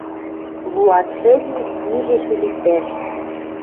Луатшӹм и ӱжеш ӧлицӓш.